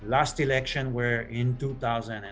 pemilihan terakhir kita melakukan pada tahun dua ribu enam